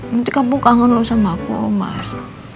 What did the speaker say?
nanti kamu kangen lu sama aku loh mas